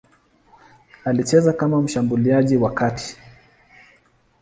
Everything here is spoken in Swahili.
Alicheza kama mshambuliaji wa kati.